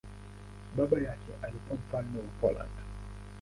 Baba yake alikuwa mfalme wa Poland.